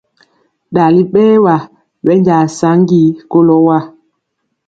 Dali bɛɛwa bɛnja saŋgi kɔlo wa.